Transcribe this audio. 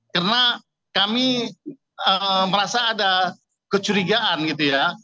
karena kami merasa ada kecurigaan gitu ya